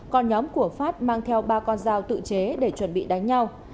còn nhóm của phát mang theo ba con dao tự chế để chuẩn bị đánh nhau